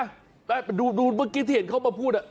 โอ้โหนี่ไงแต่ดูดูเมื่อกี้ที่เห็นเข้ามาพูดอ่ะ